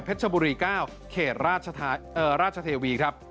เพชรบุรี๙เขตราชเทวี